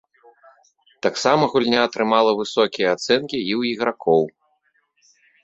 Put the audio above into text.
Таксама гульня атрымала высокія ацэнкі і ў ігракоў.